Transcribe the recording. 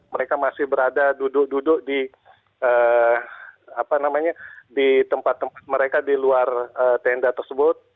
mereka masih berada duduk duduk di tempat tempat mereka di luar tenda tersebut